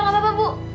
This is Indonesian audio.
eh udah udah gapapa bu